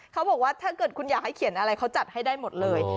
ถ้าเกิดคุณอยากให้เขียนอะไรเขาจัดให้ได้หมดเลย